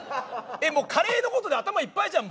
えっもうカレーのことで頭いっぱいじゃんもう。